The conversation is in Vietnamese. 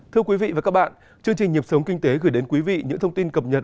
thưa quý vị và các bạn chương trình nhịp sống kinh tế gửi đến quý vị những thông tin cập nhật